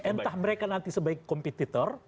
entah mereka nanti sebagai kompetitor